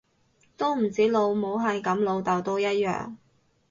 都唔止老母係噉，老竇都一樣